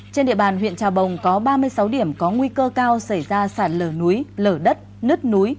trên địa bàn huyện trà bồng có ba mươi sáu điểm có nguy cơ cao xảy ra sản lửa núi lửa đất nứt núi